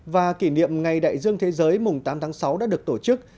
và kỷ niệm ngày đại dương thế giới mùng tám tháng sáu đã được tổ chức